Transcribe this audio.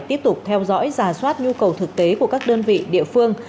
tiếp tục theo dõi giả soát nhu cầu thực tế của các đơn vị địa phương